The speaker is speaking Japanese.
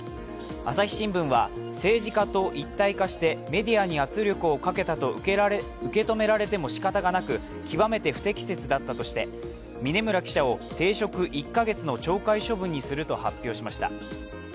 朝日新聞は、政治家と一体化してメディアに圧力をかけたと受け止められてもしかたがなく極めて不適切だったとして峯村記者を停職１カ月の懲戒処分にすると発表しました。